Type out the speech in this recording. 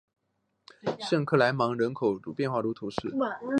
圣克莱芒人口变化图示